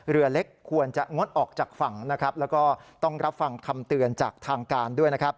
เรือเล็กควรจะงดออกจากฝั่งนะครับแล้วก็ต้องรับฟังคำเตือนจากทางการด้วยนะครับ